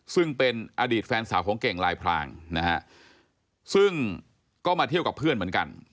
ซึ่งเป็นอดีตแฟนสาวของเก่งลายพรางนะฮะซึ่งก็มาเที่ยวกับเพื่อนเหมือนกัน